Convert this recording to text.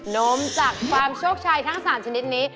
นมจากฟาร์มโชคชัยทั้ง๓ชนิดนี้